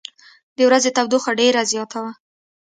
د ورځې تودوخه ډېره زیاته وه.